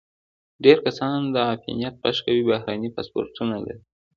ډیری کسان چې د افغانیت غږ کوي، بهرني پاسپورتونه لري.